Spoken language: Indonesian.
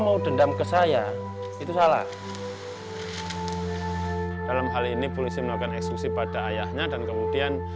hai kalau mau dendam ke saya itu salah dalam hal ini pulisi melakukan eksklusi pada ayahnya dan kemudian